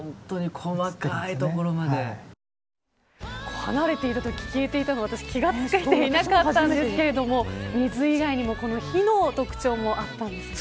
離れているとき消えていたの私、気が付いていなかったんですけど水以外にも火の特徴もあったんですね。